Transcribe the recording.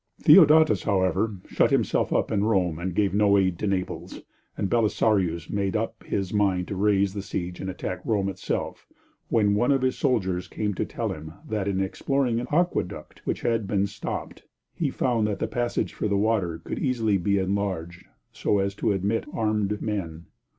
Theodatus, however, shut himself up in Rome and gave no aid to Naples, and Belisarius had made up his mind to raise the siege and attack Rome itself, when one of his soldiers came to tell him that in exploring an aqueduct which had been stopped, he had found that the passage for the water could easily be enlarged so as to admit armed men.